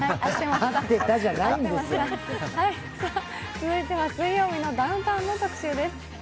続いては「水曜日のダウンタウン」の特集です。